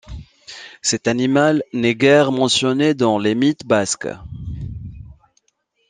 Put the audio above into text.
Cet animal n'est guère mentionné dans les mythes basques.